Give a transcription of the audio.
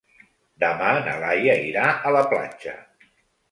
Demà na Laia irà a la platja.